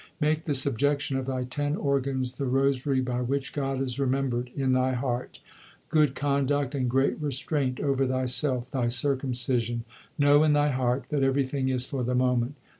Make the subjection of thy ten organs the rosary by which God is remembered in thy heart ; Good conduct and great restraint over thyself, thy circum cision. Know in thy heart that everything is for the moment.